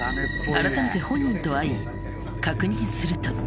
改めて本人と会い確認すると。